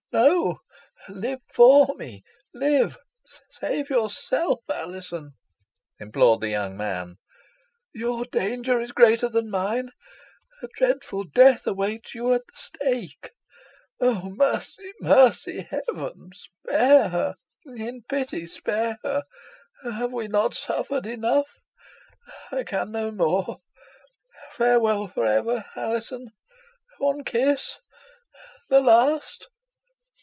"No! live for me live save yourself, Alizon," implored the young man. "Your danger is greater than mine. A dreadful death awaits you at the stake! Oh! mercy, mercy, heaven! Spare her in pity spare her! Have we not suffered enough? I can no more. Farewell for ever, Alizon one kiss the last."